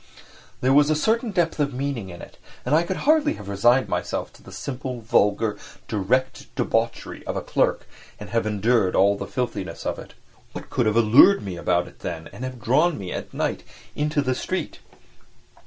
There was a certain depth of meaning in it. And I could hardly have resigned myself to the simple, vulgar, direct debauchery of a clerk and have endured all the filthiness of it. What could have allured me about it then and have drawn me at night into the street?